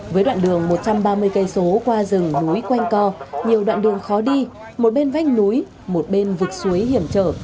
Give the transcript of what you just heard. với đoạn đường một trăm ba mươi km qua rừng núi quanh co nhiều đoạn đường khó đi một bên vánh núi một bên vực suối hiểm trở